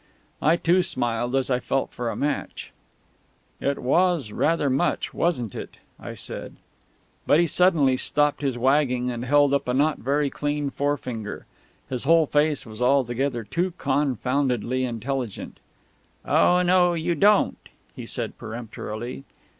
I too smiled as I felt for a match. "It was rather much, wasn't it?" I said. But he suddenly stopped his wagging, and held up a not very clean forefinger. His whole face was altogether too confoundedly intelligent. "Oh no, you don't!" he said peremptorily.